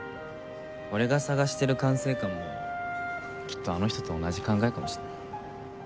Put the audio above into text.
俺が探してる管制官もきっとあの人と同じ考えかもしれない。